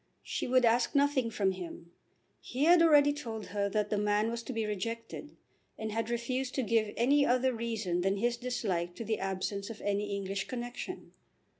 She would ask nothing from him. He had already told her that the man was to be rejected, and had refused to give any other reason than his dislike to the absence of any English connexion.